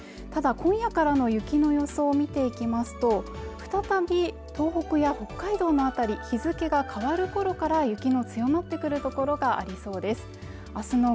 ただ今夜からの雪の予想見ていきますと再び東北や北海道の辺り日付が変わるころから雪の強まってくる所がありそうです